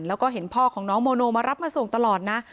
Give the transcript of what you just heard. แล้วก็เห็นพ่อของน้องโมโนมารับมาส่งตลอดนะ